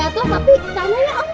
aduh aduh aduh